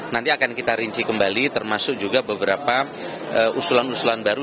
nanti akan kita rinci kembali termasuk juga beberapa usulan usulan baru